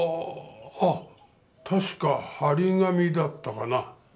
あったしか貼り紙だったかな。